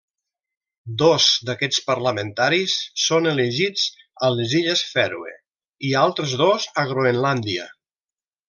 Dos d'aquests parlamentaris són elegits a les Illes Fèroe i altres dos a Groenlàndia.